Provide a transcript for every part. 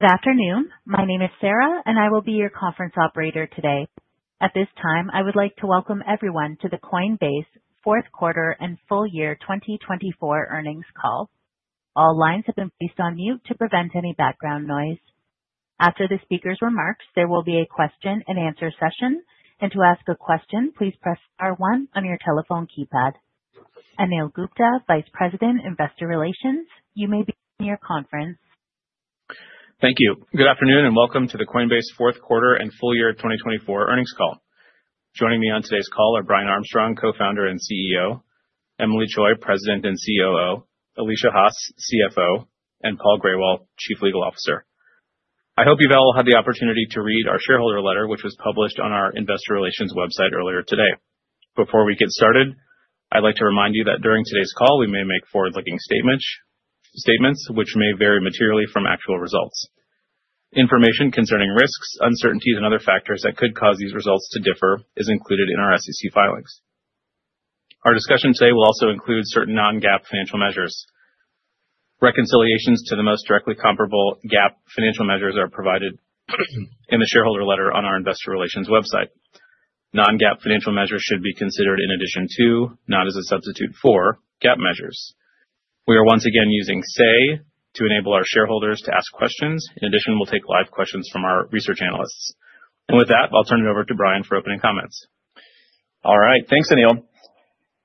Good afternoon. My name is Sarah, and I will be your conference operator today. At this time, I would like to welcome everyone to the Coinbase fourth quarter and full year 2024 earnings call. All lines have been placed on mute to prevent any background noise. After the speaker's remarks, there will be a question-and-answer session, and to ask a question, please press star one on your telephone keypad. Anil Gupta, Vice President, Investor Relations, you may begin your conference. Thank you. Good afternoon and welcome to the Coinbase fourth quarter and full year 2024 earnings call. Joining me on today's call are Brian Armstrong, Co-Founder and CEO, Emilie Choi, President and COO, Alesia Haas, CFO, and Paul Grewal, Chief Legal Officer. I hope you've all had the opportunity to read our shareholder letter, which was published on our Investor Relations website earlier today. Before we get started, I'd like to remind you that during today's call, we may make forward-looking statements, which may vary materially from actual results. Information concerning risks, uncertainties, and other factors that could cause these results to differ is included in our SEC filings. Our discussion today will also include certain non-GAAP financial measures. Reconciliations to the most directly comparable GAAP financial measures are provided in the shareholder letter on our Investor Relations website. Non-GAAP financial measures should be considered in addition to, not as a substitute for, GAAP measures. We are once again using Say to enable our shareholders to ask questions. In addition, we'll take live questions from our research analysts. And with that, I'll turn it over to Brian for opening comments. All right. Thanks, Anil.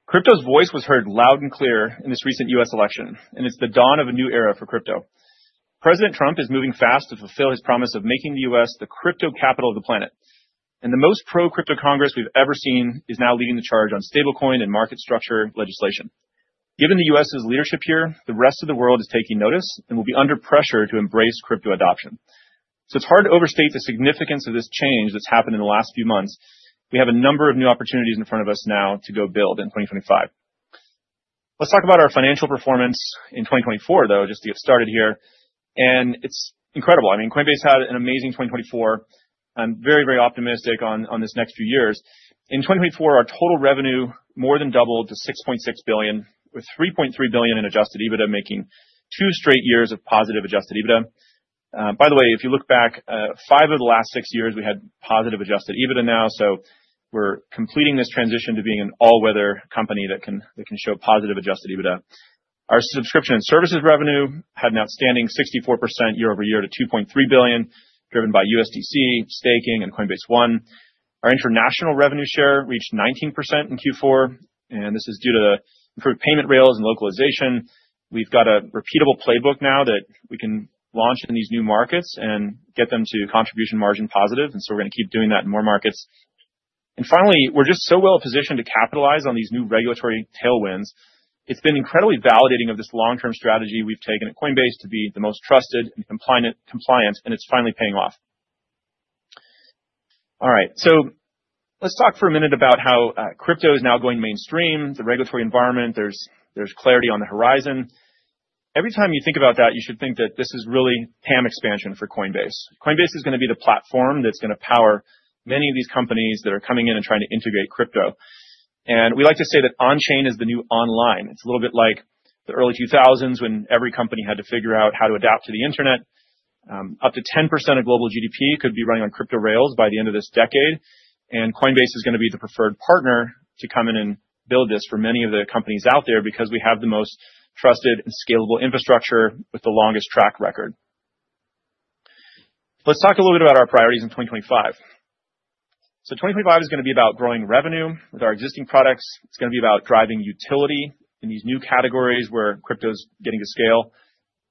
Crypto's voice was heard loud and clear in this recent U.S. election, and it's the dawn of a new era for crypto. President Trump is moving fast to fulfill his promise of making the U.S. the crypto capital of the planet, and the most pro-crypto Congress we've ever seen is now leading the charge on stablecoin and market structure legislation. Given the U.S.'s leadership here, the rest of the world is taking notice and will be under pressure to embrace crypto adoption. So it's hard to overstate the significance of this change that's happened in the last few months. We have a number of new opportunities in front of us now to go build in 2025. Let's talk about our financial performance in 2024, though, just to get started here, and it's incredible. I mean, Coinbase had an amazing 2024. I'm very, very optimistic on this next few years. In 2024, our total revenue more than doubled to $6.6 billion, with $3.3 billion in Adjusted EBITDA making two straight years of positive Adjusted EBITDA. By the way, if you look back, five of the last six years we had positive Adjusted EBITDA now, so we're completing this transition to being an all-weather company that can show positive Adjusted EBITDA. Our subscription and services revenue had an outstanding 64% year over year to $2.3 billion, driven by USDC, staking, and Coinbase One. Our international revenue share reached 19% in Q4, and this is due to the improved payment rails and localization. We've got a repeatable playbook now that we can launch in these new markets and get them to contribution margin positive, and so we're going to keep doing that in more markets. Finally, we're just so well positioned to capitalize on these new regulatory tailwinds. It's been incredibly validating of this long-term strategy we've taken at Coinbase to be the most trusted and compliant, and it's finally paying off. All right. Let's talk for a minute about how crypto is now going mainstream, the regulatory environment, there's clarity on the horizon. Every time you think about that, you should think that this is really TAM expansion for Coinbase. Coinbase is going to be the platform that's going to power many of these companies that are coming in and trying to integrate crypto. We like to say that on-chain is the new online. It's a little bit like the early 2000s when every company had to figure out how to adapt to the internet. Up to 10% of global GDP could be running on crypto rails by the end of this decade, and Coinbase is going to be the preferred partner to come in and build this for many of the companies out there because we have the most trusted and scalable infrastructure with the longest track record. Let's talk a little bit about our priorities in 2025, so 2025 is going to be about growing revenue with our existing products. It's going to be about driving utility in these new categories where crypto is getting to scale,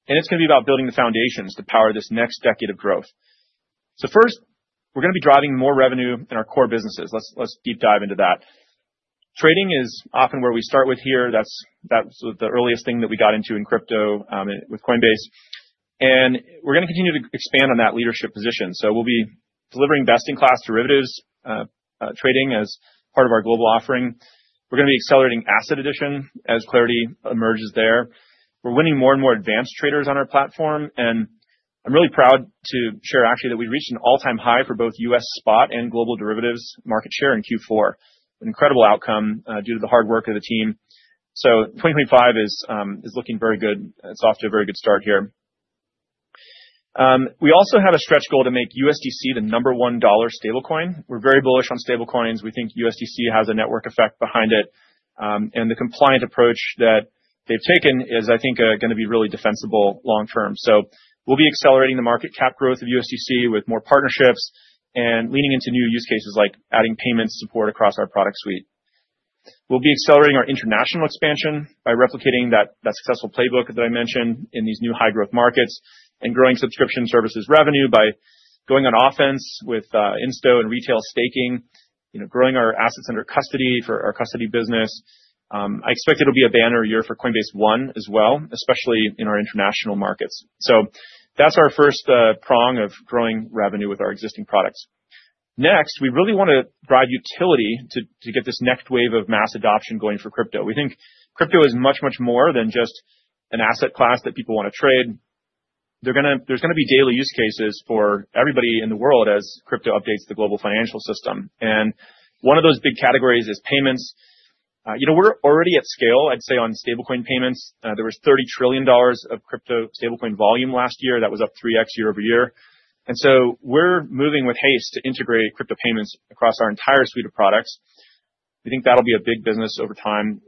and it's going to be about building the foundations to power this next decade of growth, so first, we're going to be driving more revenue in our core businesses. Let's deep dive into that. Trading is often where we start with here. That's the earliest thing that we got into in crypto with Coinbase. We're going to continue to expand on that leadership position. We'll be delivering best-in-class derivatives trading as part of our global offering. We're going to be accelerating asset addition as clarity emerges there. We're winning more and more advanced traders on our platform. I'm really proud to share, actually, that we've reached an all-time high for both U.S. spot and global derivatives market share in Q4. An incredible outcome due to the hard work of the team. 2025 is looking very good. It's off to a very good start here. We also have a stretch goal to make USDC the number one dollar stablecoin. We're very bullish on stablecoins. We think USDC has a network effect behind it. The compliant approach that they've taken is, I think, going to be really defensible long-term. So we'll be accelerating the market cap growth of USDC with more partnerships and leaning into new use cases like adding payment support across our product suite. We'll be accelerating our international expansion by replicating that successful playbook that I mentioned in these new high-growth markets and growing subscription services revenue by going on offense with institutional and retail staking, growing our assets under custody for our custody business. I expect it'll be a banner year for Coinbase One as well, especially in our international markets. So that's our first prong of growing revenue with our existing products. Next, we really want to drive utility to get this next wave of mass adoption going for crypto. We think crypto is much, much more than just an asset class that people want to trade. There's going to be daily use cases for everybody in the world as crypto updates the global financial system. One of those big categories is payments. We're already at scale, I'd say, on stablecoin payments. There was $30 trillion of crypto stablecoin volume last year. That was up 3x year over year. We're moving with haste to integrate crypto payments across our entire suite of products. We think that'll be a big business over time.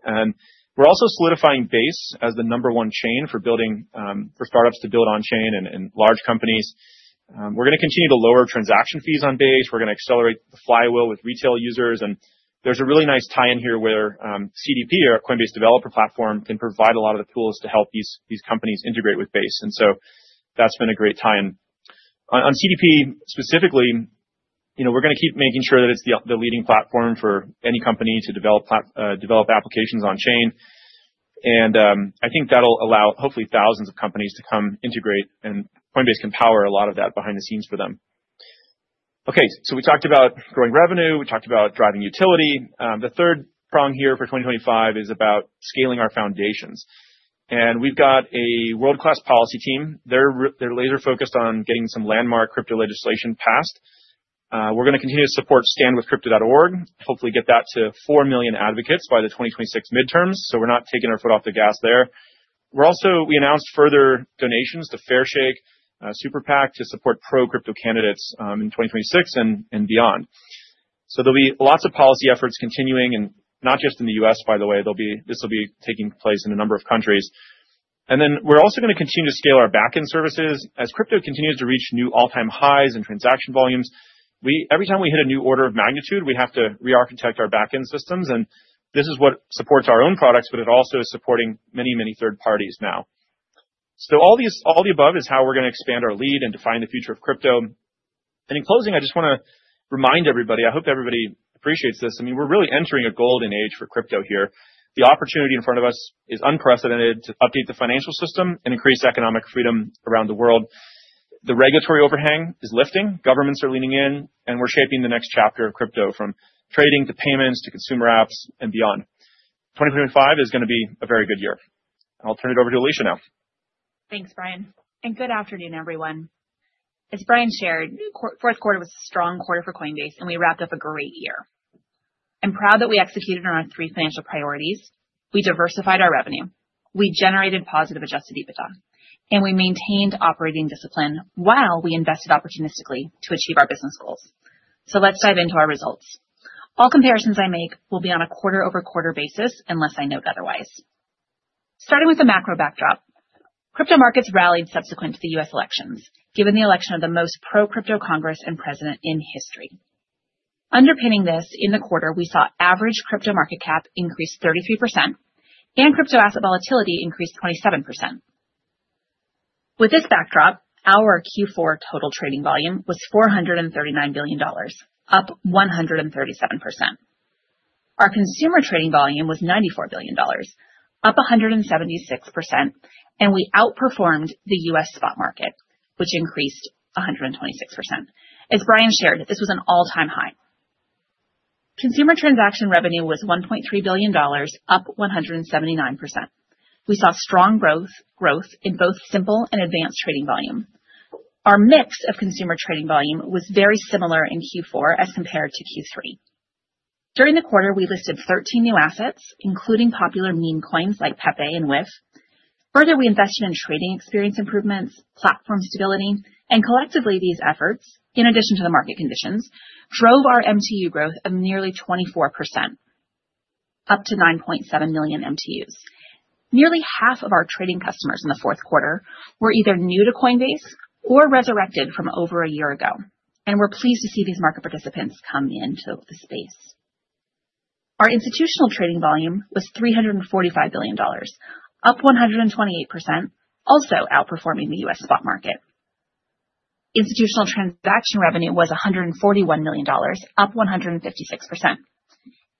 We're also solidifying Base as the number one chain for startups to build on-chain and large companies. We're going to continue to lower transaction fees on Base. We're going to accelerate the flywheel with retail users. There's a really nice tie-in here where CDP, our Coinbase Developer Platform, can provide a lot of the tools to help these companies integrate with Base. That's been a great tie-in. On CDP specifically, we're going to keep making sure that it's the leading platform for any company to develop applications on-chain. And I think that'll allow hopefully thousands of companies to come integrate, and Coinbase can power a lot of that behind the scenes for them. Okay, so we talked about growing revenue. We talked about driving utility. The third prong here for 2025 is about scaling our foundations. And we've got a world-class policy team. They're laser-focused on getting some landmark crypto legislation passed. We're going to continue to support standwithcrypto.org, hopefully get that to 4 million advocates by the 2026 midterms. So we're not taking our foot off the gas there. We announced further donations to Fairshake super PAC to support pro-crypto candidates in 2026 and beyond. So there'll be lots of policy efforts continuing, and not just in the U.S., by the way. This will be taking place in a number of countries, and then we're also going to continue to scale our back-end services. As crypto continues to reach new all-time highs in transaction volumes, every time we hit a new order of magnitude, we have to re-architect our back-end systems, and this is what supports our own products, but it also is supporting many, many third parties now, so all the above is how we're going to expand our lead and define the future of crypto, and in closing, I just want to remind everybody, I hope everybody appreciates this. I mean, we're really entering a golden age for crypto here. The opportunity in front of us is unprecedented to update the financial system and increase economic freedom around the world. The regulatory overhang is lifting. Governments are leaning in, and we're shaping the next chapter of crypto from trading to payments to consumer apps and beyond. 2025 is going to be a very good year, and I'll turn it over to Alesia now. Thanks, Brian. And good afternoon, everyone. As Brian shared, the fourth quarter was a strong quarter for Coinbase, and we wrapped up a great year. I'm proud that we executed on our three financial priorities. We diversified our revenue. We generated positive Adjusted EBITDA. And we maintained operating discipline while we invested opportunistically to achieve our business goals. So let's dive into our results. All comparisons I make will be on a quarter-over-quarter basis unless I note otherwise. Starting with the macro backdrop, crypto markets rallied subsequent to the U.S. elections, given the election of the most pro-crypto Congress and president in history. Underpinning this, in the quarter, we saw average crypto market cap increase 33% and crypto asset volatility increase 27%. With this backdrop, our Q4 total trading volume was $439 billion, up 137%. Our consumer trading volume was $94 billion, up 176%, and we outperformed the U.S. Spot market, which increased 126%. As Brian shared, this was an all-time high. Consumer transaction revenue was $1.3 billion, up 179%. We saw strong growth in both simple and advanced trading volume. Our mix of consumer trading volume was very similar in Q4 as compared to Q3. During the quarter, we listed 13 new assets, including popular meme coins like Pepe and WIF. Further, we invested in trading experience improvements, platform stability, and collectively, these efforts, in addition to the market conditions, drove our MTU growth of nearly 24%, up to 9.7 million MTUs. Nearly half of our trading customers in the fourth quarter were either new to Coinbase or resurrected from over a year ago. We're pleased to see these market participants come into the space. Our institutional trading volume was $345 billion, up 128%, also outperforming the U.S. spot market. Institutional transaction revenue was $141 million, up 156%.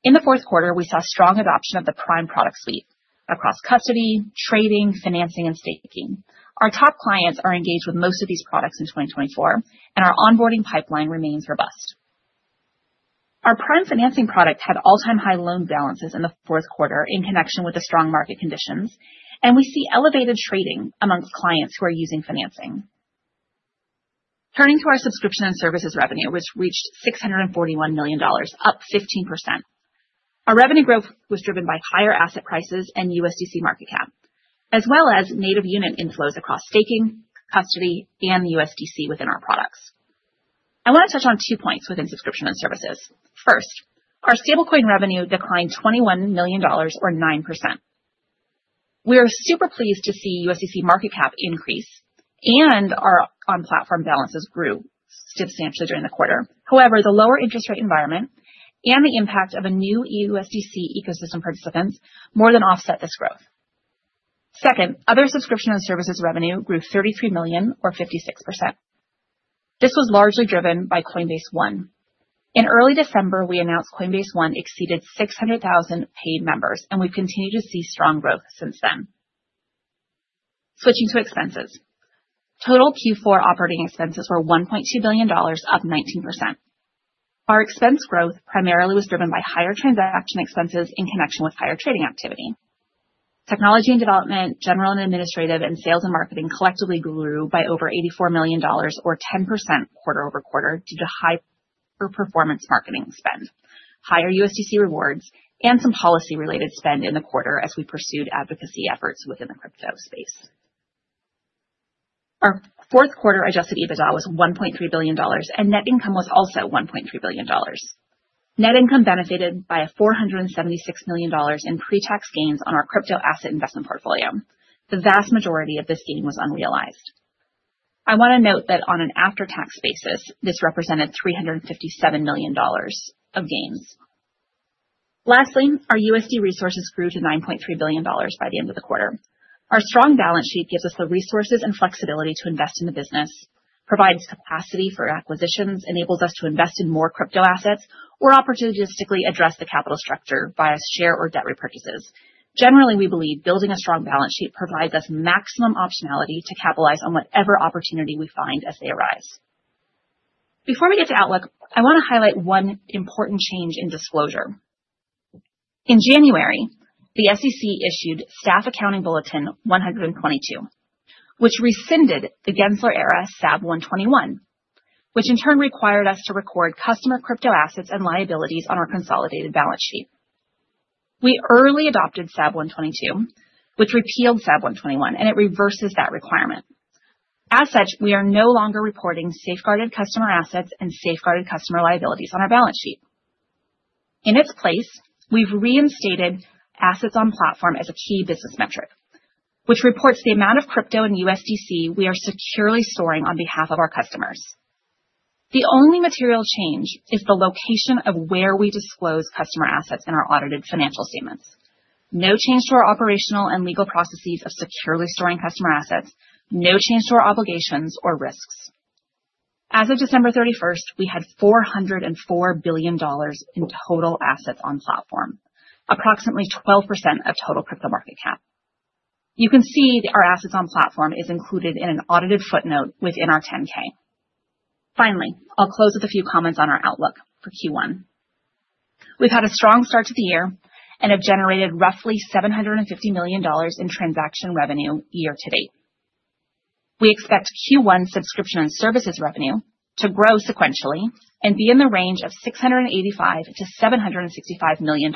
In the fourth quarter, we saw strong adoption of the Prime product suite across custody, trading, financing, and staking. Our top clients are engaged with most of these products in 2024, and our onboarding pipeline remains robust. Our Prime financing product had all-time high loan balances in the fourth quarter in connection with the strong market conditions, and we see elevated trading amongst clients who are using financing. Turning to our subscription and services revenue, which reached $641 million, up 15%. Our revenue growth was driven by higher asset prices and USDC market cap, as well as native unit inflows across staking, custody, and USDC within our products. I want to touch on two points within subscription and services. First, our stablecoin revenue declined $21 million, or 9%. We are super pleased to see USDC market cap increase and our on-platform balances grew substantially during the quarter. However, the lower interest rate environment and the impact of a new USDC ecosystem participants more than offset this growth. Second, other subscription and services revenue grew $33 million, or 56%. This was largely driven by Coinbase One. In early December, we announced Coinbase One exceeded 600,000 paid members, and we've continued to see strong growth since then. Switching to expenses, total Q4 operating expenses were $1.2 billion, up 19%. Our expense growth primarily was driven by higher transaction expenses in connection with higher trading activity. Technology and development, general and administrative, and sales and marketing collectively grew by over $84 million, or 10% quarter over quarter, due to higher performance marketing spend, higher USDC rewards, and some policy-related spend in the quarter as we pursued advocacy efforts within the crypto space. Our fourth quarter Adjusted EBITDA was $1.3 billion, and net income was also $1.3 billion. Net income benefited by $476 million in pre-tax gains on our crypto asset investment portfolio. The vast majority of this gain was unrealized. I want to note that on an after-tax basis, this represented $357 million of gains. Lastly, our USD resources grew to $9.3 billion by the end of the quarter. Our strong balance sheet gives us the resources and flexibility to invest in the business, provides capacity for acquisitions, enables us to invest in more crypto assets, or opportunistically address the capital structure via share or debt repurchases. Generally, we believe building a strong balance sheet provides us maximum optionality to capitalize on whatever opportunity we find as they arise. Before we get to Outlook, I want to highlight one important change in disclosure. In January, the SEC issued Staff Accounting Bulletin 122, which rescinded the Gensler-era SAB 121, which in turn required us to record customer crypto assets and liabilities on our consolidated balance sheet. We early adopted SAB 122, which repealed SAB 121, and it reverses that requirement. As such, we are no longer reporting safeguarded customer assets and safeguarded customer liabilities on our balance sheet. In its place, we've reinstated assets on platform as a key business metric, which reports the amount of crypto and USDC we are securely storing on behalf of our customers. The only material change is the location of where we disclose customer assets in our audited financial statements. No change to our operational and legal processes of securely storing customer assets. No change to our obligations or risks. As of December 31st, we had $404 billion in total assets on platform, approximately 12% of total crypto market cap. You can see our assets on platform is included in an audited footnote within our 10-K. Finally, I'll close with a few comments on our outlook for Q1. We've had a strong start to the year and have generated roughly $750 million in transaction revenue year to date. We expect Q1 subscription and services revenue to grow sequentially and be in the range of $685-$765 million.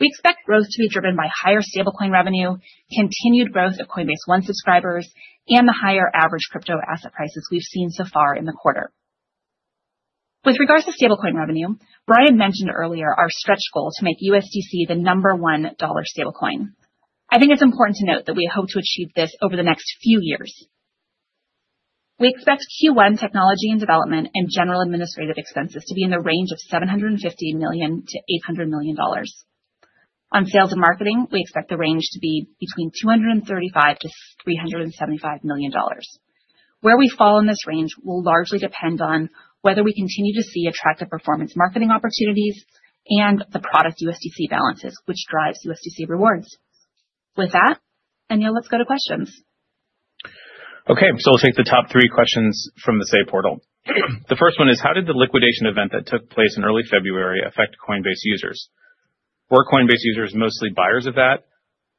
We expect growth to be driven by higher stablecoin revenue, continued growth of Coinbase One subscribers, and the higher average crypto asset prices we've seen so far in the quarter. With regards to stablecoin revenue, Brian mentioned earlier our stretch goal to make USDC the number one dollar stablecoin. I think it's important to note that we hope to achieve this over the next few years. We expect Q1 technology and development and general administrative expenses to be in the range of $750-$800 million. On sales and marketing, we expect the range to be between $235-$375 million. Where we fall in this range will largely depend on whether we continue to see attractive performance marketing opportunities and the product USDC balances, which drives USDC rewards. With that, Anil, let's go to questions. Okay, so we'll take the top three questions from the Say portal. The first one is, how did the liquidation event that took place in early February affect Coinbase users? Were Coinbase users mostly buyers of that,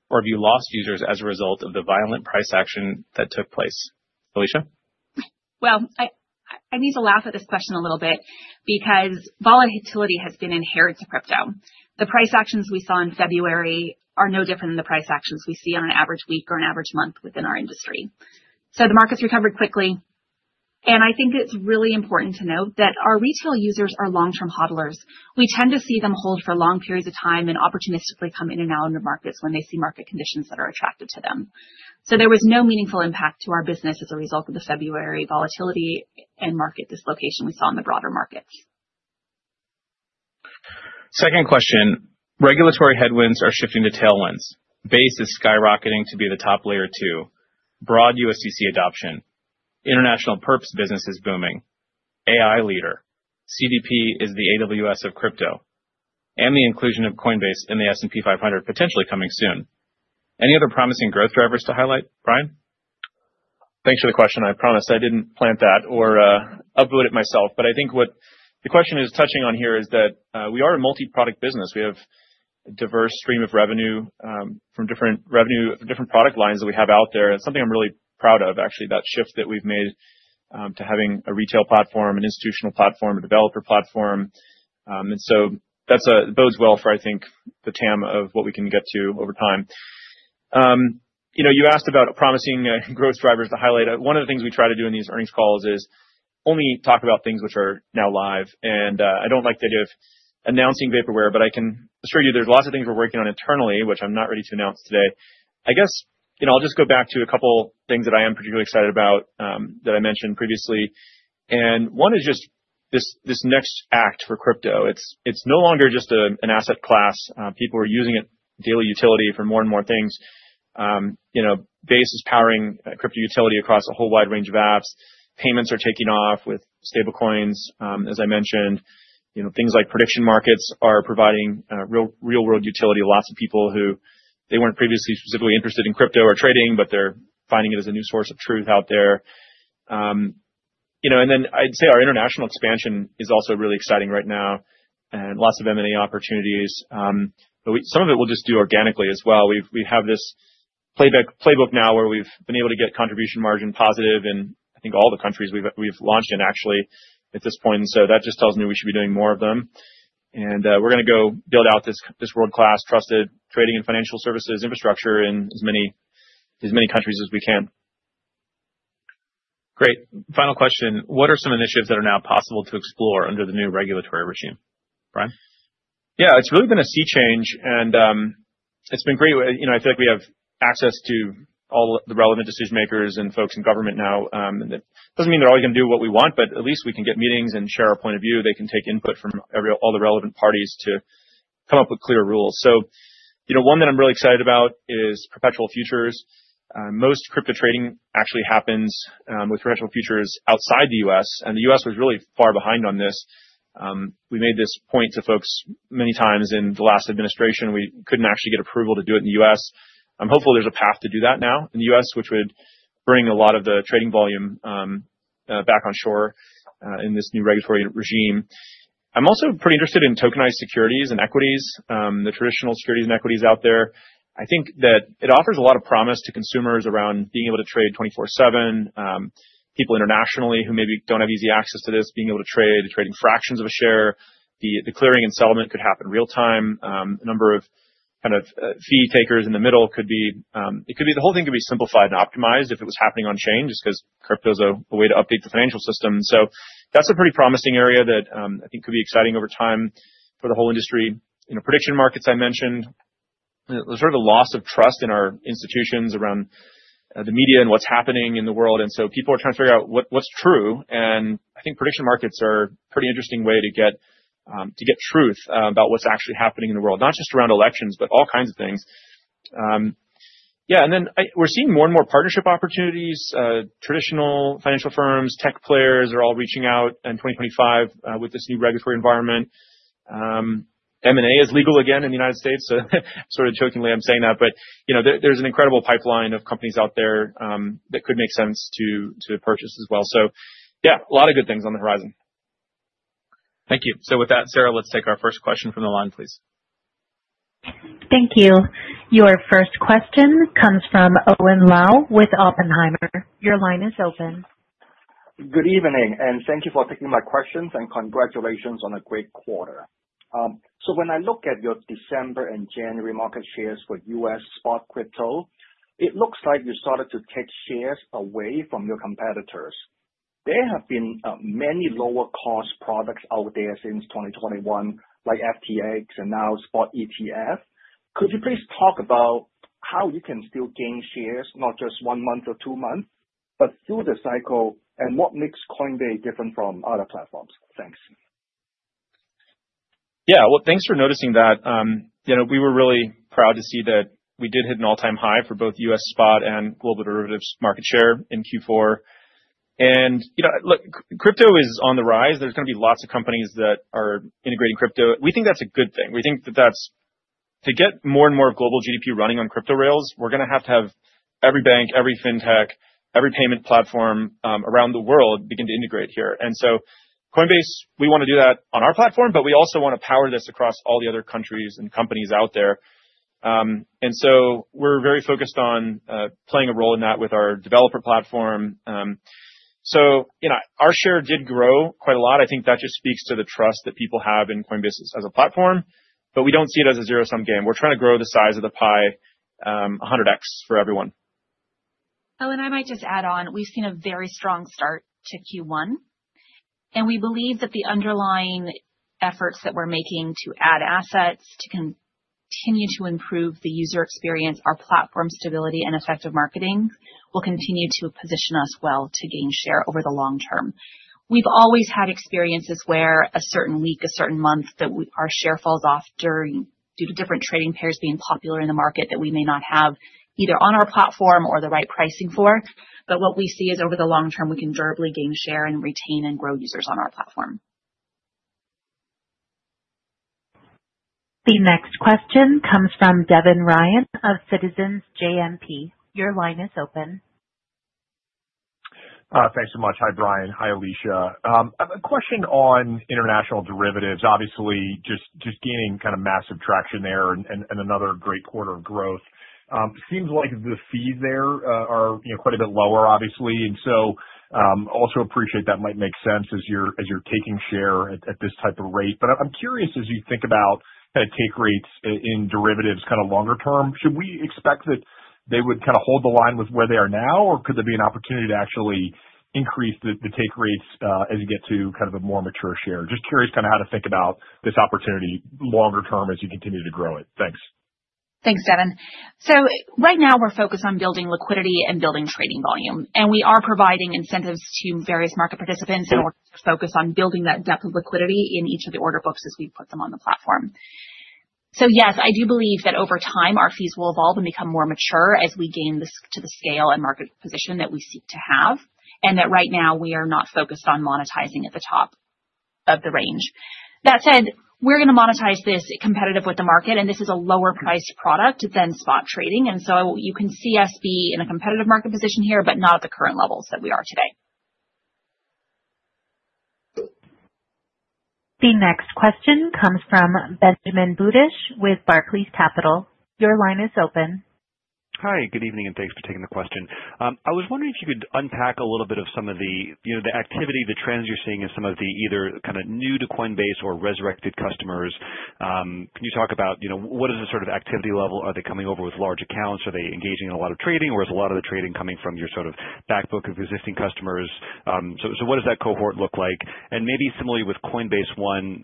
or have you lost users as a result of the violent price action that took place? Alesia? I need to laugh at this question a little bit because volatility has been inherent to crypto. The price actions we saw in February are no different than the price actions we see on an average week or an average month within our industry. The markets recovered quickly. I think it's really important to note that our retail users are long-term hodlers. We tend to see them hold for long periods of time and opportunistically come in and out of the markets when they see market conditions that are attractive to them. There was no meaningful impact to our business as a result of the February volatility and market dislocation we saw in the broader markets. Second question, regulatory headwinds are shifting to tailwinds. Base is skyrocketing to be the top Layer 2, broad USDC adoption, international perps business is booming, AI leader, CDP is the AWS of crypto, and the inclusion of Coinbase in the S&P 500 potentially coming soon. Any other promising growth drivers to highlight, Brian? Thanks for the question. I promise I didn't plant that or upvote it myself. But I think what the question is touching on here is that we are a multi-product business. We have a diverse stream of revenue from different product lines that we have out there. It's something I'm really proud of, actually, that shift that we've made to having a retail platform, an institutional platform, a developer platform. And so that bodes well for, I think, the TAM of what we can get to over time. You asked about promising growth drivers to highlight. One of the things we try to do in these earnings calls is only talk about things which are now live. And I don't like the idea of announcing vaporware, but I can assure you there's lots of things we're working on internally, which I'm not ready to announce today. I guess I'll just go back to a couple of things that I am particularly excited about that I mentioned previously, and one is just this next act for crypto. It's no longer just an asset class. People are using it daily utility for more and more things. Base is powering crypto utility across a whole wide range of apps. Payments are taking off with stablecoins, as I mentioned. Things like prediction markets are providing real-world utility to lots of people who they weren't previously specifically interested in crypto or trading, but they're finding it as a new source of truth out there, and then I'd say our international expansion is also really exciting right now and lots of M&A opportunities. Some of it we'll just do organically as well. We have this playbook now where we've been able to get contribution margin positive in, I think, all the countries we've launched in, actually, at this point. And so that just tells me we should be doing more of them. And we're going to go build out this world-class trusted trading and financial services infrastructure in as many countries as we can. Great. Final question, what are some initiatives that are now possible to explore under the new regulatory regime, Brian? Yeah, it's really been a sea change. And it's been great. I feel like we have access to all the relevant decision-makers and folks in government now. It doesn't mean they're always going to do what we want, but at least we can get meetings and share our point of view. They can take input from all the relevant parties to come up with clear rules. So one that I'm really excited about is perpetual futures. Most crypto trading actually happens with perpetual futures outside the U.S. And the U.S. was really far behind on this. We made this point to folks many times in the last administration. We couldn't actually get approval to do it in the U.S. I'm hopeful there's a path to do that now in the U.S., which would bring a lot of the trading volume back on shore in this new regulatory regime. I'm also pretty interested in tokenized securities and equities, the traditional securities and equities out there. I think that it offers a lot of promise to consumers around being able to trade 24/7, people internationally who maybe don't have easy access to this, being able to trade, trading fractions of a share. The clearing and settlement could happen real time. A number of kind of fee takers in the middle could be the whole thing could be simplified and optimized if it was happening on-chain just because crypto is a way to update the financial system. So that's a pretty promising area that I think could be exciting over time for the whole industry. Prediction markets, I mentioned, there's sort of a loss of trust in our institutions around the media and what's happening in the world and so people are trying to figure out what's true. And I think prediction markets are a pretty interesting way to get truth about what's actually happening in the world, not just around elections, but all kinds of things. Yeah, and then we're seeing more and more partnership opportunities. Traditional financial firms, tech players are all reaching out in 2025 with this new regulatory environment. M&A is legal again in the United States. So sort of jokingly, I'm saying that. But there's an incredible pipeline of companies out there that could make sense to purchase as well. So yeah, a lot of good things on the horizon. Thank you. So with that, Sarah, let's take our first question from the line, please. Thank you. Your first question comes from Owen Lau with Oppenheimer. Your line is open. Good evening, and thank you for taking my questions and congratulations on a great quarter. So when I look at your December and January market shares for U.S. spot crypto, it looks like you started to take shares away from your competitors. There have been many lower-cost products out there since 2021, like FTX and now spot ETF. Could you please talk about how you can still gain shares, not just one month or two months, but through the cycle and what makes Coinbase different from other platforms? Thanks. Yeah, well, thanks for noticing that. We were really proud to see that we did hit an all-time high for both U.S. spot and global derivatives market share in Q4, and crypto is on the rise. There's going to be lots of companies that are integrating crypto. We think that's a good thing. We think that to get more and more of global GDP running on crypto rails, we're going to have to have every bank, every fintech, every payment platform around the world begin to integrate here, and so Coinbase, we want to do that on our platform, but we also want to power this across all the other countries and companies out there, and so we're very focused on playing a role in that with our developer platform, so our share did grow quite a lot. I think that just speaks to the trust that people have in Coinbase as a platform, but we don't see it as a zero-sum game. We're trying to grow the size of the pie 100x for everyone. Owen, I might just add on. We've seen a very strong start to Q1. And we believe that the underlying efforts that we're making to add assets, to continue to improve the user experience, our platform stability, and effective marketing will continue to position us well to gain share over the long term. We've always had experiences where a certain week, a certain month, that our share falls off due to different trading pairs being popular in the market that we may not have either on our platform or the right pricing for. But what we see is over the long term, we can durably gain share and retain and grow users on our platform. The next question comes from Devin Ryan of Citizens JMP. Your line is open. Thanks so much. Hi, Brian. Hi, Alesia. A question on international derivatives, obviously, just gaining kind of massive traction there and another great quarter of growth. It seems like the fees there are quite a bit lower, obviously. And so also appreciate that might make sense as you're taking share at this type of rate. But I'm curious, as you think about kind of take rates in derivatives kind of longer term, should we expect that they would kind of hold the line with where they are now, or could there be an opportunity to actually increase the take rates as you get to kind of a more mature share? Just curious kind of how to think about this opportunity longer term as you continue to grow it. Thanks. Thanks, Devin. So right now, we're focused on building liquidity and building trading volume. And we are providing incentives to various market participants in order to focus on building that depth of liquidity in each of the order books as we put them on the platform. So yes, I do believe that over time, our fees will evolve and become more mature as we gain the scale and market position that we seek to have, and that right now, we are not focused on monetizing at the top of the range. That said, we're going to monetize this competitively with the market, and this is a lower-priced product than spot trading. And so you can see us being in a competitive market position here, but not at the current levels that we are today. The next question comes from Benjamin Budish with Barclays Capital. Your line is open. Hi, good evening, and thanks for taking the question. I was wondering if you could unpack a little bit of some of the activity, the trends you're seeing in some of the either kind of new to Coinbase or resurrected customers. Can you talk about what is the sort of activity level? Are they coming over with large accounts? Are they engaging in a lot of trading, or is a lot of the trading coming from your sort of backbook of existing customers? So what does that cohort look like? And maybe similarly with Coinbase One,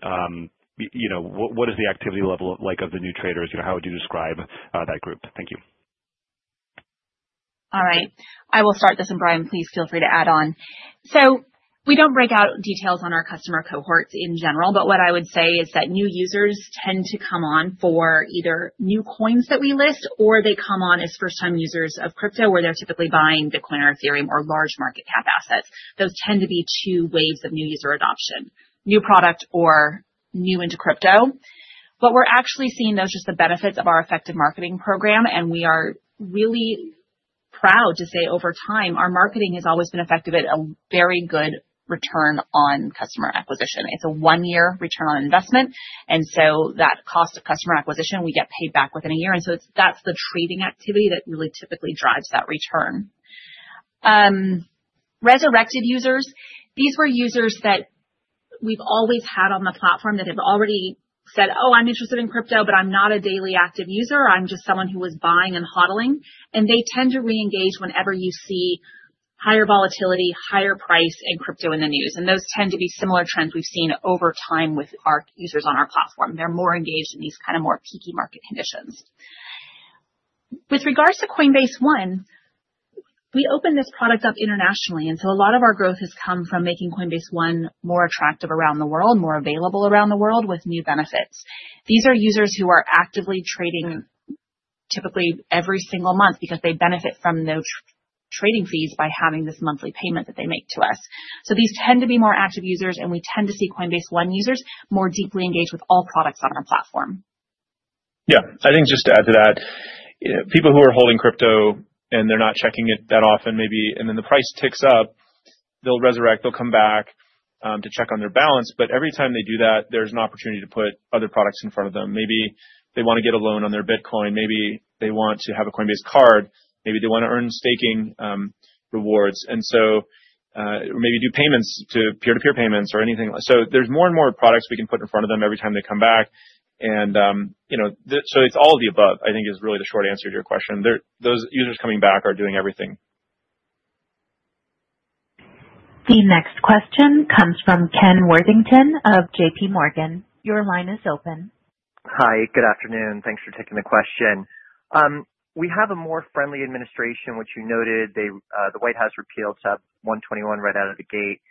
what is the activity level like of the new traders? How would you describe that group? Thank you. All right. I will start this, and Brian, please feel free to add on. So we don't break out details on our customer cohorts in general, but what I would say is that new users tend to come on for either new coins that we list, or they come on as first-time users of crypto, where they're typically buying Bitcoin or Ethereum or large market cap assets. Those tend to be two waves of new user adoption, new product or new into crypto. But we're actually seeing those just the benefits of our effective marketing program. And we are really proud to say over time, our marketing has always been effective at a very good return on customer acquisition. It's a one-year return on investment. And so that cost of customer acquisition, we get paid back within a year. And so that's the trading activity that really typically drives that return. Resurrected users. These were users that we've always had on the platform that have already said, "Oh, I'm interested in crypto, but I'm not a daily active user. I'm just someone who was buying and hodling." And they tend to reengage whenever you see higher volatility, higher price in crypto in the news. And those tend to be similar trends we've seen over time with our users on our platform. They're more engaged in these kind of more peaky market conditions. With regards to Coinbase One, we opened this product up internationally. And so a lot of our growth has come from making Coinbase One more attractive around the world, more available around the world with new benefits. These are users who are actively trading typically every single month because they benefit from no trading fees by having this monthly payment that they make to us. So these tend to be more active users, and we tend to see Coinbase One users more deeply engaged with all products on our platform. Yeah. I think just to add to that, people who are holding crypto and they're not checking it that often, maybe, and then the price ticks up, they'll resurrect, they'll come back to check on their balance. But every time they do that, there's an opportunity to put other products in front of them. Maybe they want to get a loan on their Bitcoin. Maybe they want to have a Coinbase Card. Maybe they want to earn staking rewards. And so maybe do payments to peer-to-peer payments or anything. So there's more and more products we can put in front of them every time they come back. And so it's all of the above, I think, is really the short answer to your question. Those users coming back are doing everything. The next question comes from Ken Worthington of JPMorgan. Your line is open. Hi, good afternoon. Thanks for taking the question. We have a more friendly administration, which you noted. The White House repealed SAB 121 right out of the gate.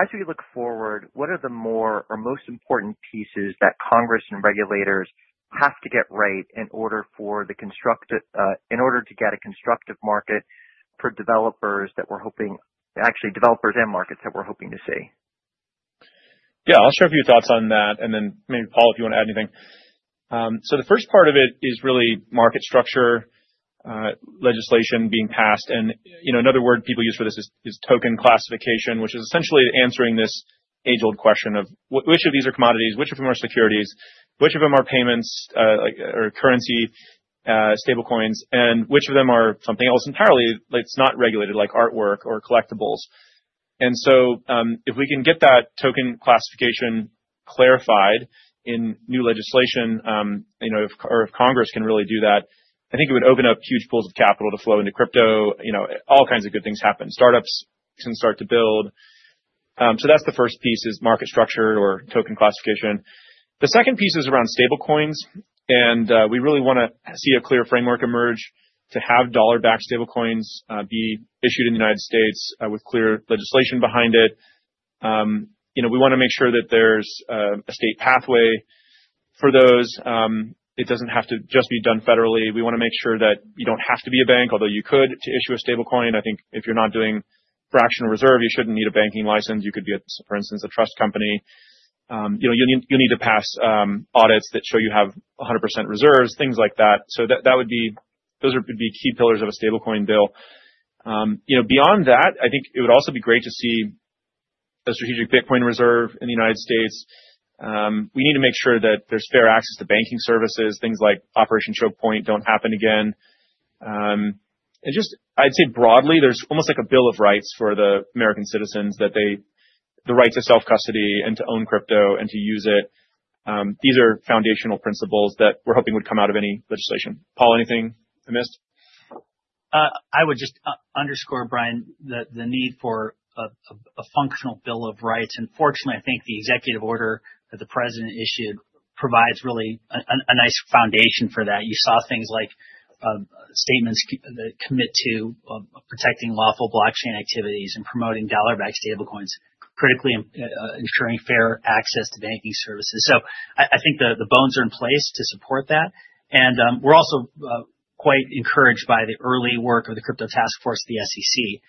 As we look forward, what are the more or most important pieces that Congress and regulators have to get right in order to get a constructive market for developers that we're hoping, actually, developers and markets that we're hoping to see? Yeah, I'll share a few thoughts on that. And then maybe Paul, if you want to add anything. So the first part of it is really market structure, legislation being passed. And another word people use for this is token classification, which is essentially answering this age-old question of which of these are commodities, which of them are securities, which of them are payments or currency, stablecoins, and which of them are something else entirely that's not regulated like artwork or collectibles. And so if we can get that token classification clarified in new legislation or if Congress can really do that, I think it would open up huge pools of capital to flow into crypto. All kinds of good things happen. Startups can start to build. So that's the first piece is market structure or token classification. The second piece is around stablecoins. We really want to see a clear framework emerge to have dollar-backed stablecoins be issued in the United States with clear legislation behind it. We want to make sure that there's a state pathway for those. It doesn't have to just be done federally. We want to make sure that you don't have to be a bank, although you could, to issue a stablecoin. I think if you're not doing fractional reserve, you shouldn't need a banking license. You could be, for instance, a trust company. You'll need to pass audits that show you have 100% reserves, things like that. So those would be key pillars of a stablecoin bill. Beyond that, I think it would also be great to see a strategic Bitcoin reserve in the United States. We need to make sure that there's fair access to banking services, things like Operation Choke Point don't happen again. Just, I'd say broadly, there's almost like a bill of rights for the American citizens that the right to self-custody and to own crypto and to use it. These are foundational principles that we're hoping would come out of any legislation. Paul, anything I missed? I would just underscore, Brian, the need for a functional bill of rights. Unfortunately, I think the executive order that the president issued provides really a nice foundation for that. You saw things like statements that commit to protecting lawful blockchain activities and promoting dollar-backed stablecoins, critically ensuring fair access to banking services. So I think the bones are in place to support that. And we're also quite encouraged by the early work of the Crypto Task Force, the SEC,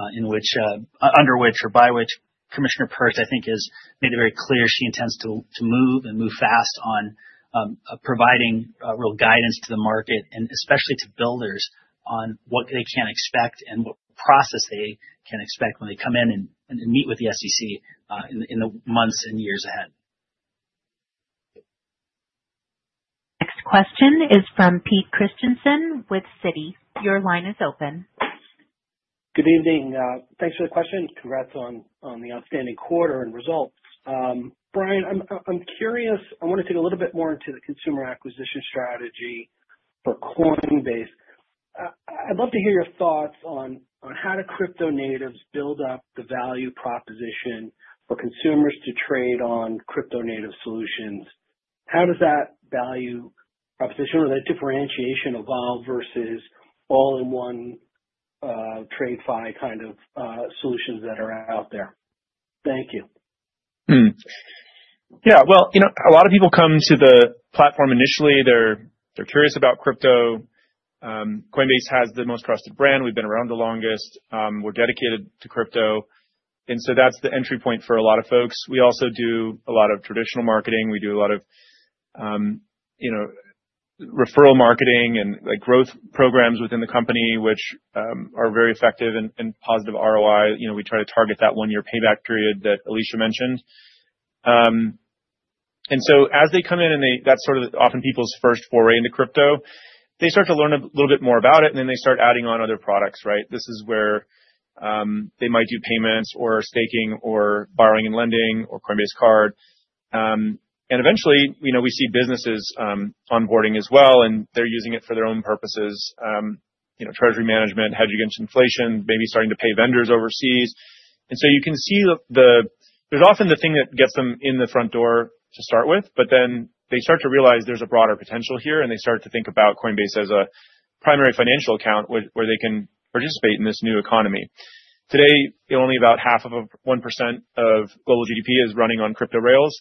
under which or by which Commissioner Peirce, I think, has made it very clear she intends to move and move fast on providing real guidance to the market, and especially to builders on what they can expect and what process they can expect when they come in and meet with the SEC in the months and years ahead. Next question is from Pete Christensen with Citi. Your line is open. Good evening. Thanks for the question. Congrats on the outstanding quarter and results. Brian, I'm curious. I want to dig a little bit more into the consumer acquisition strategy for Coinbase. I'd love to hear your thoughts on how do crypto natives build up the value proposition for consumers to trade on crypto native solutions? How does that value proposition or that differentiation evolve versus all-in-one TradFi kind of solutions that are out there? Thank you. Yeah. Well, a lot of people come to the platform initially. They're curious about crypto. Coinbase has the most trusted brand. We've been around the longest. We're dedicated to crypto. And so that's the entry point for a lot of folks. We also do a lot of traditional marketing. We do a lot of referral marketing and growth programs within the company, which are very effective and positive ROI. We try to target that one-year payback period that Alesia mentioned. And so as they come in, and that's sort of often people's first foray into crypto, they start to learn a little bit more about it, and then they start adding on other products, right? This is where they might do payments or staking or borrowing and lending or Coinbase Card. And eventually, we see businesses onboarding as well, and they're using it for their own purposes, treasury management, hedging against inflation, maybe starting to pay vendors overseas. And so you can see there's often the thing that gets them in the front door to start with, but then they start to realize there's a broader potential here, and they start to think about Coinbase as a primary financial account where they can participate in this new economy. Today, only about half of 1% of global GDP is running on crypto rails,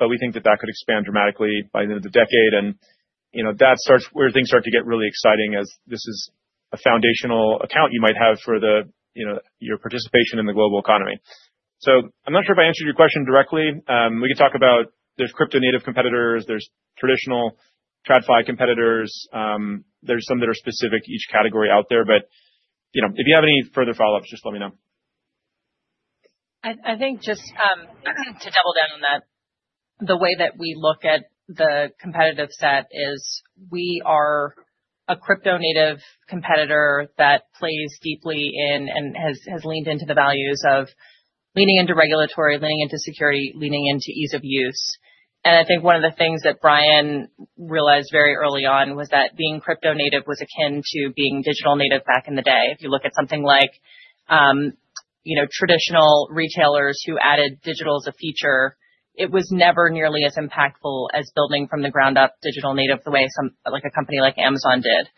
but we think that that could expand dramatically by the end of the decade. And that's where things start to get really exciting as this is a foundational account you might have for your participation in the global economy. So I'm not sure if I answered your question directly. We can talk about there's crypto native competitors. There's traditional TradFi competitors. There's some that are specific to each category out there. But if you have any further follow-ups, just let me know. I think just to double down on that, the way that we look at the competitive set is we are a crypto native competitor that plays deeply in and has leaned into the values of leaning into regulatory, leaning into security, leaning into ease of use, and I think one of the things that Brian realized very early on was that being crypto native was akin to being digital native back in the day. If you look at something like traditional retailers who added digital as a feature, it was never nearly as impactful as building from the ground up digital native the way a company like Amazon did.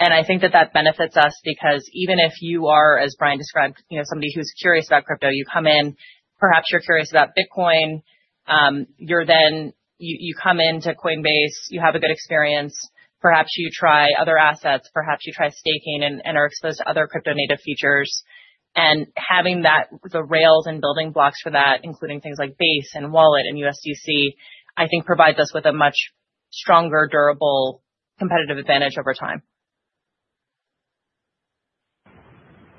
I think that benefits us because even if you are, as Brian described, somebody who's curious about crypto, you come in, perhaps you're curious about Bitcoin, you come into Coinbase, you have a good experience, perhaps you try other assets, perhaps you try staking and are exposed to other crypto native features. Having the rails and building blocks for that, including things like Base and Wallet and USDC, provides us with a much stronger, durable competitive advantage over time.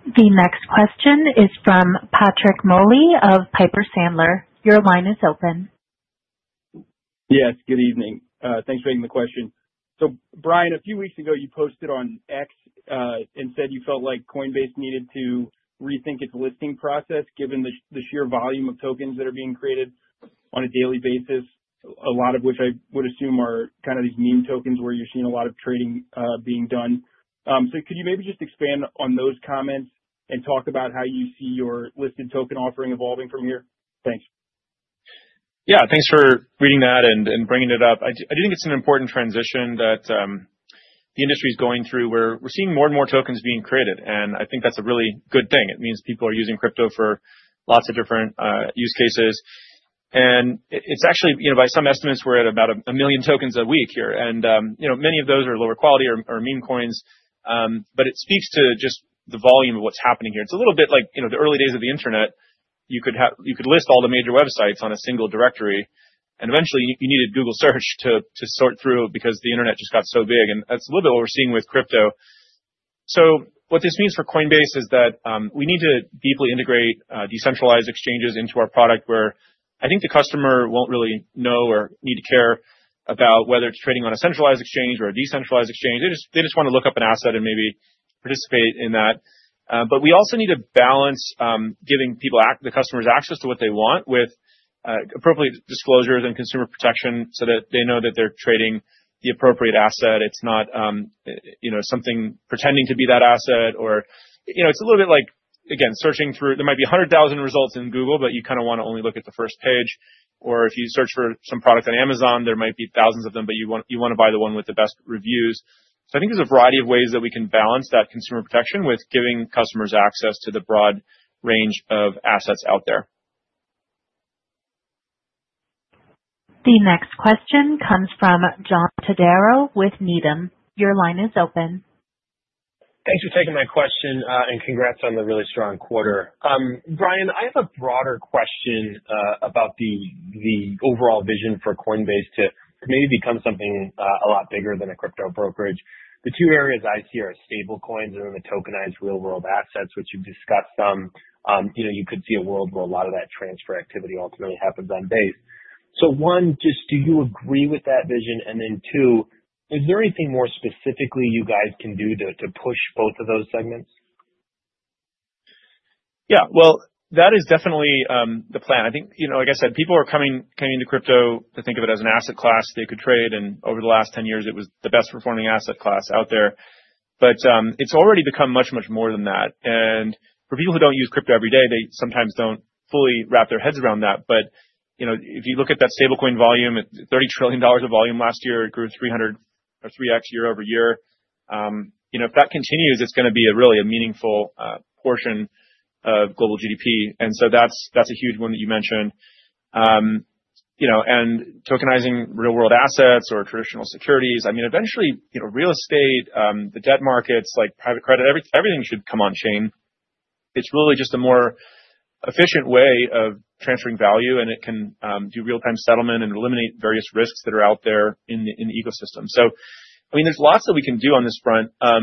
The next question is from Patrick Moley of Piper Sandler. Your line is open. Yes, good evening. Thanks for taking the question. So Brian, a few weeks ago, you posted on X and said you felt like Coinbase needed to rethink its listing process given the sheer volume of tokens that are being created on a daily basis, a lot of which I would assume are kind of these meme tokens where you're seeing a lot of trading being done. So could you maybe just expand on those comments and talk about how you see your listed token offering evolving from here? Thanks. Yeah, thanks for reading that and bringing it up. I do think it's an important transition that the industry is going through where we're seeing more and more tokens being created, and I think that's a really good thing. It means people are using crypto for lots of different use cases, and it's actually, by some estimates, we're at about a million tokens a week here, and many of those are lower quality or meme coins. But it speaks to just the volume of what's happening here. It's a little bit like the early days of the internet. You could list all the major websites on a single directory, and eventually, you needed Google Search to sort through because the internet just got so big, and that's a little bit what we're seeing with crypto. So what this means for Coinbase is that we need to deeply integrate decentralized exchanges into our product where I think the customer won't really know or need to care about whether it's trading on a centralized exchange or a decentralized exchange. They just want to look up an asset and maybe participate in that. But we also need to balance giving the customers access to what they want with appropriate disclosures and consumer protection so that they know that they're trading the appropriate asset. It's not something pretending to be that asset. Or it's a little bit like, again, searching through. There might be 100,000 results in Google, but you kind of want to only look at the first page. Or if you search for some product on Amazon, there might be thousands of them, but you want to buy the one with the best reviews. So I think there's a variety of ways that we can balance that consumer protection with giving customers access to the broad range of assets out there. The next question comes from John Todaro with Needham. Your line is open. Thanks for taking my question and congrats on the really strong quarter. Brian, I have a broader question about the overall vision for Coinbase to maybe become something a lot bigger than a crypto brokerage. The two areas I see are stablecoins and then the tokenized real-world assets, which you've discussed some. You could see a world where a lot of that transfer activity ultimately happens on Base. So one, just do you agree with that vision? And then two, is there anything more specifically you guys can do to push both of those segments? Yeah, well, that is definitely the plan. I think, like I said, people are coming into crypto to think of it as an asset class they could trade, and over the last 10 years, it was the best-performing asset class out there. But it's already become much, much more than that, and for people who don't use crypto every day, they sometimes don't fully wrap their heads around that, but if you look at that stablecoin volume, $30 trillion of volume last year, it grew 300 or 3x year over year. If that continues, it's going to be really a meaningful portion of global GDP, and so that's a huge one that you mentioned, and tokenizing real-world assets or traditional securities, I mean, eventually, real estate, the debt markets, like private credit, everything should come on chain. It's really just a more efficient way of transferring value, and it can do real-time settlement and eliminate various risks that are out there in the ecosystem. So I mean, there's lots that we can do on this front. I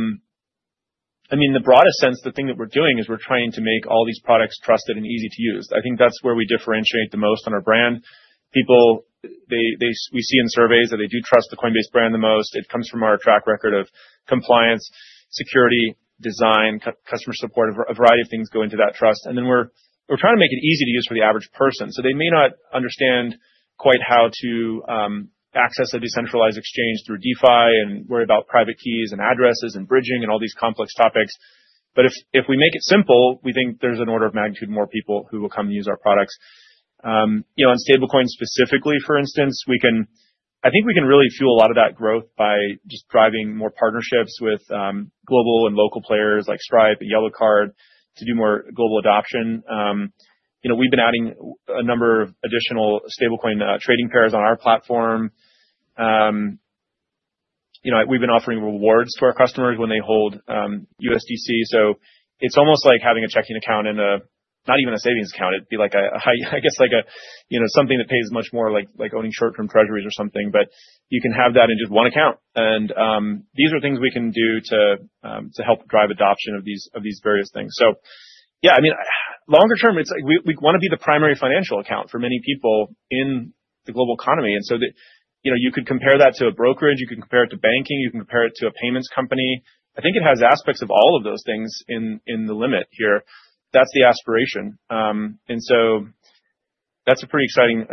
mean, in the broadest sense, the thing that we're doing is we're trying to make all these products trusted and easy to use. I think that's where we differentiate the most on our brand. People, we see in surveys that they do trust the Coinbase brand the most. It comes from our track record of compliance, security, design, customer support, a variety of things go into that trust. And then we're trying to make it easy to use for the average person. So they may not understand quite how to access a decentralized exchange through DeFi and worry about private keys and addresses and bridging and all these complex topics. But if we make it simple, we think there's an order of magnitude more people who will come use our products. On stablecoins specifically, for instance, I think we can really fuel a lot of that growth by just driving more partnerships with global and local players like Stripe and Yellow Card to do more global adoption. We've been adding a number of additional stablecoin trading pairs on our platform. We've been offering rewards to our customers when they hold USDC. So it's almost like having a checking account and not even a savings account. It'd be like, I guess, like something that pays much more like owning short-term treasuries or something. But you can have that in just one account. And these are things we can do to help drive adoption of these various things. So yeah, I mean, longer term, we want to be the primary financial account for many people in the global economy. And so you could compare that to a brokerage. You can compare it to banking. You can compare it to a payments company. I think it has aspects of all of those things in the limit here. That's the aspiration. And so that's a pretty exciting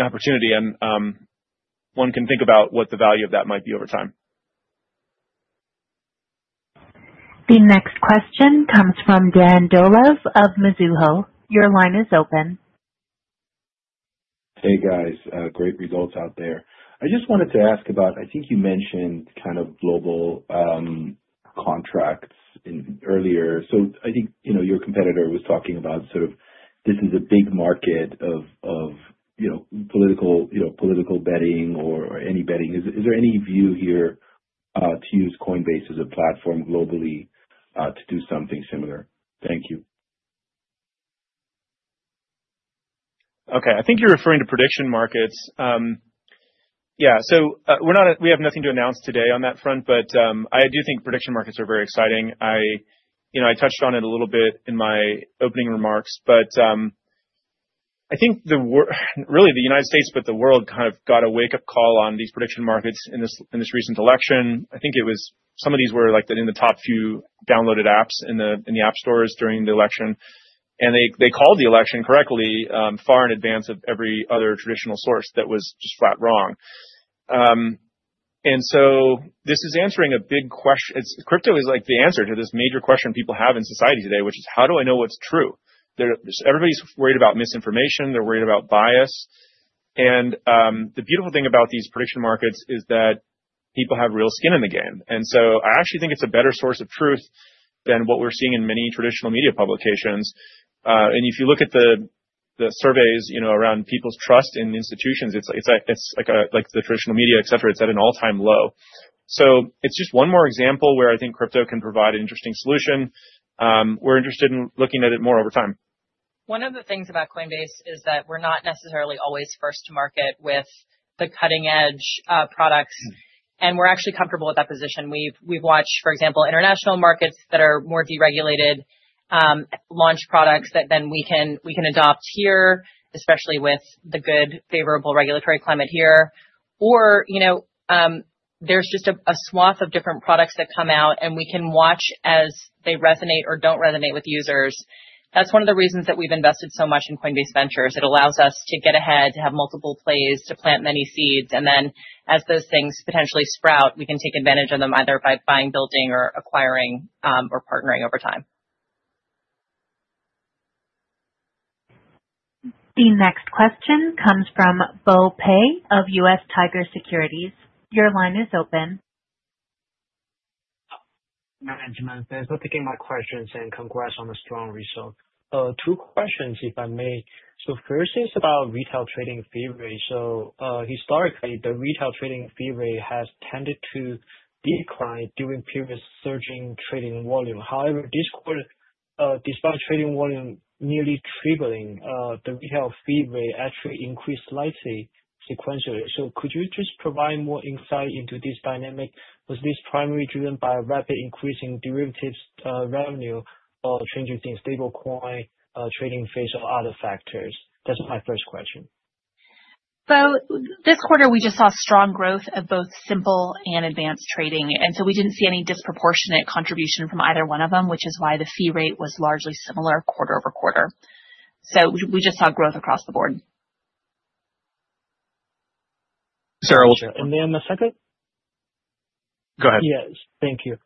opportunity. And one can think about what the value of that might be over time. The next question comes from Dan Dolez of Mizuho. Your line is open. Hey, guys. Great results out there. I just wanted to ask about, I think you mentioned kind of global contracts earlier. So I think your competitor was talking about sort of this is a big market of political betting or any betting. Is there any view here to use Coinbase as a platform globally to do something similar? Thank you. Okay. I think you're referring to prediction markets. Yeah. So we have nothing to announce today on that front, but I do think prediction markets are very exciting. I touched on it a little bit in my opening remarks, but I think really the United States, but the world kind of got a wake-up call on these prediction markets in this recent election. I think some of these were in the top few downloaded apps in the app stores during the election. And they called the election correctly far in advance of every other traditional source that was just flat wrong. And so this is answering a big question. Crypto is like the answer to this major question people have in society today, which is, how do I know what's true? Everybody's worried about misinformation. They're worried about bias. The beautiful thing about these prediction markets is that people have real skin in the game. I actually think it's a better source of truth than what we're seeing in many traditional media publications. If you look at the surveys around people's trust in institutions, it's like the traditional media, etc., it's at an all-time low. It's just one more example where I think crypto can provide an interesting solution. We're interested in looking at it more over time. One of the things about Coinbase is that we're not necessarily always first to market with the cutting-edge products. And we're actually comfortable with that position. We've watched, for example, international markets that are more deregulated launch products that then we can adopt here, especially with the good favorable regulatory climate here. Or there's just a swath of different products that come out, and we can watch as they resonate or don't resonate with users. That's one of the reasons that we've invested so much in Coinbase Ventures. It allows us to get ahead, to have multiple plays, to plant many seeds. And then as those things potentially sprout, we can take advantage of them either by buying, building, or acquiring or partnering over time. The next question comes from Bo Pei of US Tiger Securities. Your line is open. Hi. I was looking at my questions and congrats on a strong result. Two questions, if I may. So first is about retail trading fee rate. So historically, the retail trading fee rate has tended to decline during periods of surging trading volume. However, this quarter, despite trading volume nearly tripling, the retail fee rate actually increased slightly sequentially. So could you just provide more insight into this dynamic? Was this primarily driven by rapid increase in derivatives revenue or changes in stablecoin trading fees or other factors? That's my first question. So this quarter, we just saw strong growth of both simple and advanced trading. And so we didn't see any disproportionate contribution from either one of them, which is why the fee rate was largely similar quarter over quarter. So we just saw growth across the board. Sorry, I will jump in there on the second. Go ahead. Yes. Thank you.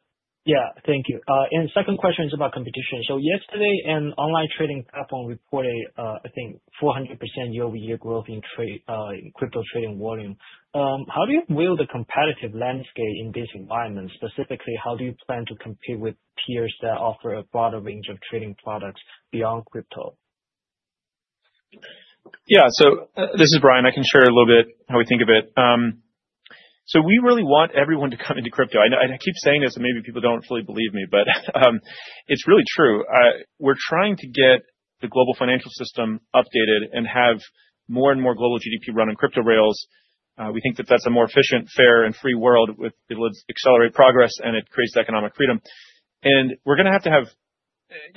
Yeah. Thank you. And second question is about competition. So yesterday, an online trading platform reported, I think, 400% year-over-year growth in crypto trading volume. How do you view the competitive landscape in this environment? Specifically, how do you plan to compete with peers that offer a broader range of trading products beyond crypto? Yeah. So this is Brian. I can share a little bit how we think of it. So we really want everyone to come into crypto. I keep saying this, and maybe people don't fully believe me, but it's really true. We're trying to get the global financial system updated and have more and more global GDP run on crypto rails. We think that that's a more efficient, fair, and free world. It will accelerate progress, and it creates economic freedom. And we're going to have to have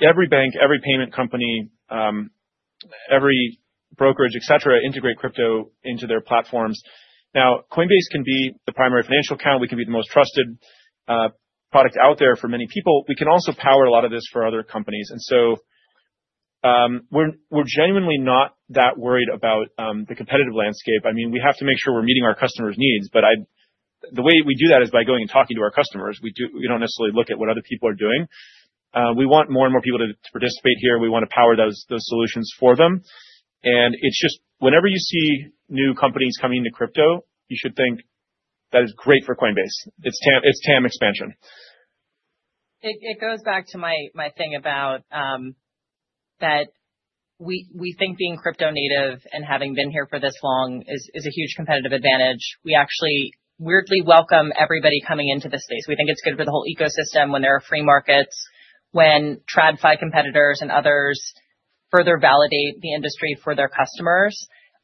every bank, every payment company, every brokerage, etc., integrate crypto into their platforms. Now, Coinbase can be the primary financial account. We can be the most trusted product out there for many people. We can also power a lot of this for other companies. And so we're genuinely not that worried about the competitive landscape. I mean, we have to make sure we're meeting our customers' needs. But the way we do that is by going and talking to our customers. We don't necessarily look at what other people are doing. We want more and more people to participate here. We want to power those solutions for them. And it's just whenever you see new companies coming into crypto, you should think, "That is great for Coinbase. It's TAM expansion. It goes back to my thing about that we think being crypto native and having been here for this long is a huge competitive advantage. We actually weirdly welcome everybody coming into this space. We think it's good for the whole ecosystem when there are free markets, when TradFi competitors and others further validate the industry for their customers.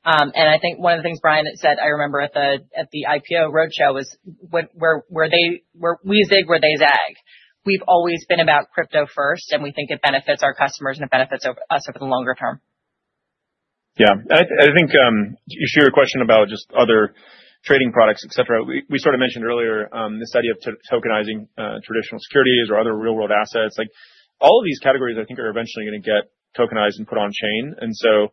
And I think one of the things Brian said I remember at the IPO roadshow was, "Where we zig, where they zag." We've always been about crypto first, and we think it benefits our customers and it benefits us over the longer term. Yeah, and I think you shoot a question about just other trading products, etc. We sort of mentioned earlier this idea of tokenizing traditional securities or other real-world assets. All of these categories, I think, are eventually going to get tokenized and put on-chain. And so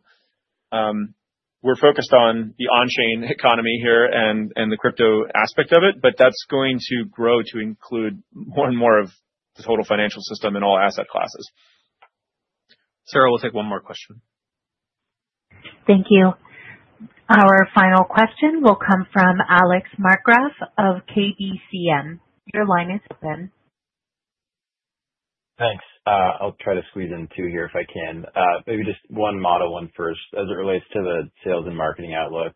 we're focused on the on-chain economy here and the crypto aspect of it, but that's going to grow to include more and more of the total financial system and all asset classes. Sarah, we'll take one more question. Thank you. Our final question will come from Alex Markgraff of KBCM. Your line is open. Thanks. I'll try to squeeze in two here if I can. Maybe just one more, one first as it relates to the sales and marketing outlook.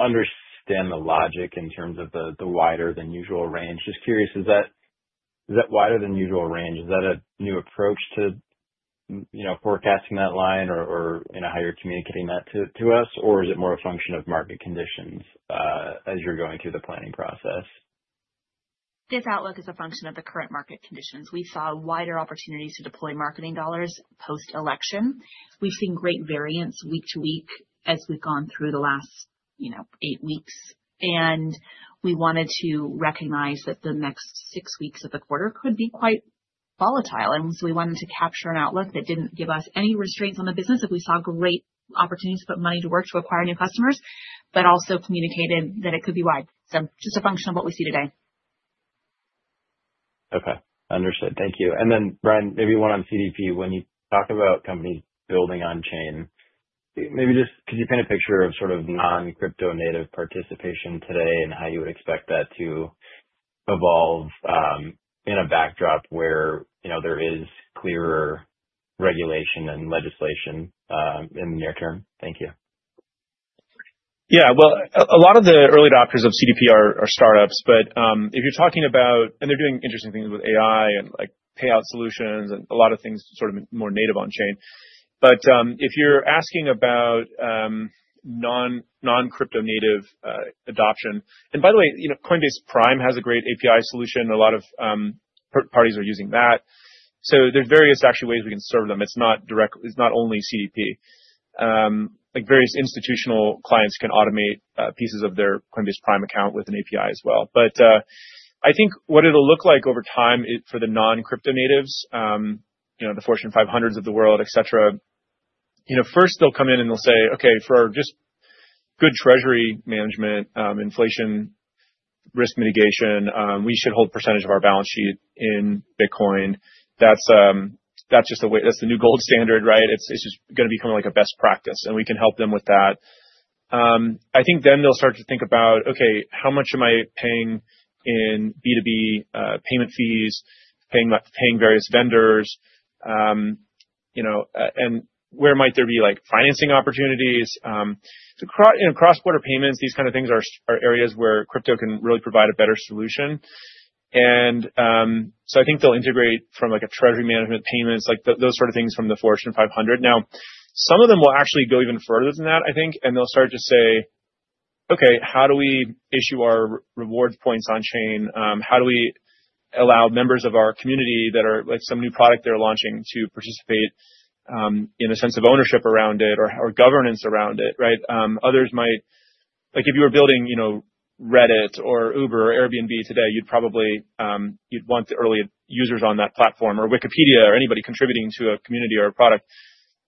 Understand the logic in terms of the wider than usual range. Just curious, is that wider than usual range, is that a new approach to forecasting that line or how you're communicating that to us, or is it more a function of market conditions as you're going through the planning process? This outlook is a function of the current market conditions. We saw wider opportunities to deploy marketing dollars post-election. We've seen great variance week to week as we've gone through the last eight weeks. And we wanted to recognize that the next six weeks of the quarter could be quite volatile. And so we wanted to capture an outlook that didn't give us any restraints on the business if we saw great opportunities to put money to work to acquire new customers, but also communicated that it could be wide. So just a function of what we see today. Okay. Understood. Thank you. And then, Brian, maybe one on CDP. When you talk about companies building on-chain, maybe just could you paint a picture of sort of non-crypto native participation today and how you would expect that to evolve in a backdrop where there is clearer regulation and legislation in the near term? Thank you. Yeah. Well, a lot of the early adopters of CDP are startups, but if you're talking about, and they're doing interesting things with AI and payout solutions and a lot of things sort of more native on chain. But if you're asking about non-crypto native adoption, and by the way, Coinbase Prime has a great API solution. A lot of parties are using that. So there's various actually ways we can serve them. It's not only CDP. Various institutional clients can automate pieces of their Coinbase Prime account with an API as well. But I think what it'll look like over time for the non-crypto natives, the Fortune 500s of the world, etc., first they'll come in and they'll say, "Okay, for just good treasury management, inflation risk mitigation, we should hold a percentage of our balance sheet in Bitcoin." That's just a new gold standard, right? It's just going to become like a best practice. And we can help them with that. I think then they'll start to think about, "Okay, how much am I paying in B2B payment fees, paying various vendors?" And where might there be financing opportunities? In cross-border payments, these kinds of things are areas where crypto can really provide a better solution. And so I think they'll integrate from a treasury management payments, those sort of things from the Fortune 500. Now, some of them will actually go even further than that, I think. And they'll start to say, "Okay, how do we issue our reward points on chain? How do we allow members of our community that are some new product they're launching to participate in a sense of ownership around it or governance around it?" Right? Others might, like if you were building Reddit or Uber or Airbnb today, you'd want the early users on that platform or Wikipedia or anybody contributing to a community or a product.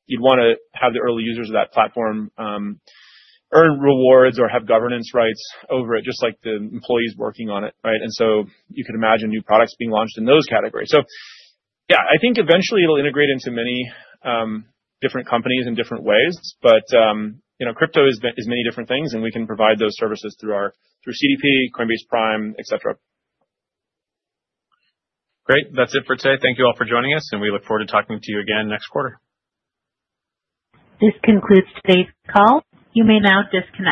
You'd want to have the early users of that platform earn rewards or have governance rights over it, just like the employees working on it, right? And so you could imagine new products being launched in those categories. So yeah, I think eventually it'll integrate into many different companies in different ways. But crypto is many different things, and we can provide those services through our CDP, Coinbase Prime, etc. Great. That's it for today. Thank you all for joining us, and we look forward to talking to you again next quarter. This concludes today's call. You may now disconnect.